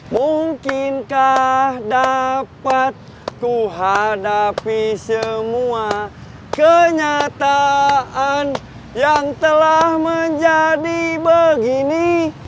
mungkinkah dapat kuhadapi semua kenyataan yang telah menjadi begini